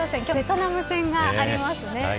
今日、ベトナム戦がありますね。